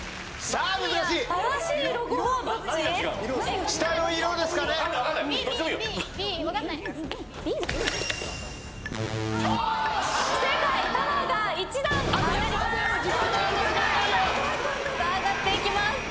さあ上がっていきます。